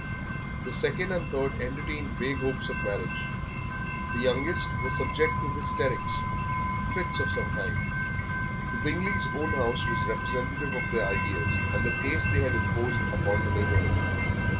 The second and third entertained vague hopes of marriage. The youngest was subject to hysterics, fits of some kind. The Bingleys' own house was representative of their ideas, and the taste they had imposed upon the neighbourhood.